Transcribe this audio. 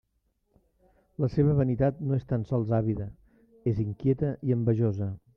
La seva vanitat no és tan sols àvida, és inquieta i envejosa.